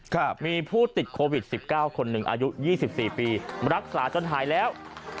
ครับมีผู้ติดโควิด๑๙คนหนึ่งอายุ๒๔ปีรักษาจนหายแล้ว